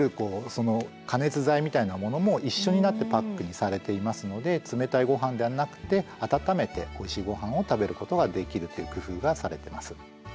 その加熱剤みたいなものも一緒になってパックにされていますので冷たいごはんではなくて温めておいしいごはんを食べることができるという工夫がされてます。